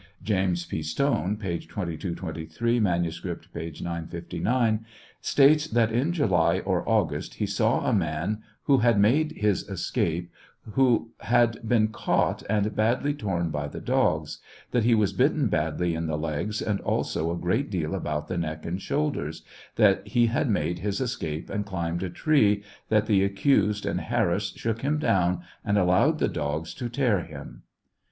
Jas. P. Stone (p. 2223 ; manuscript, p. 959) states that in July or August he saw a man who had made his escape, who had been caught and badly torn by the dogs ; that he was bitten badly in the legs and also a great deal about the neck and shoulders ; that he had made his escape and climbed a tree ; that the accused and Harris shook him down and allowed the dogs to tear him.